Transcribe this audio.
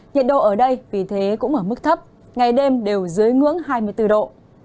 nhiệt độ ở đây vì thế cũng ở mức thấp ngày đêm đều dưới ngưỡng hai mươi bốn độ